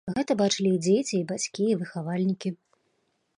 Гэта бачылі і дзеці, і бацькі, і выхавальнікі.